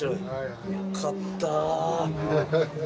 よかった。